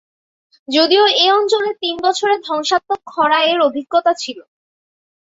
যদিও এই অঞ্চলের তিন বছরের ধ্বংসাত্মক খরা এর অভিজ্ঞতা ছিল।